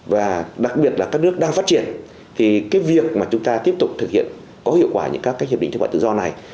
và đặc biệt là các nước đang phát triển thì cái việc mà chúng ta tiếp tục thực hiện có hiệu quả những các cái hiệp định thương mại tự do này